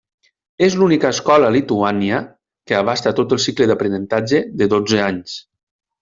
És l'única escola a Lituània que abasta tot el cicle d'aprenentatge de dotze anys.